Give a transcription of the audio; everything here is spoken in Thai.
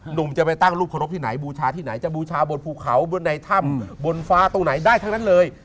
หนุ่มจะไปตั้งรูปเคารพที่ไหนบูชาที่ไหนจะบูชาบนภูเขาบนในถ้ำบนฟ้าตรงไหนได้ทั้งนั้นเลย